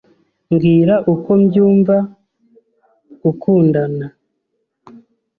Mbwira uko byumva gukundana.